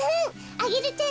アゲルちゃん？